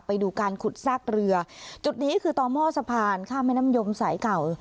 ไปดูการขุดซากเรือจุดนี้คือต่อหม้อสะพานข้ามแม่น้ำยมสายเก่า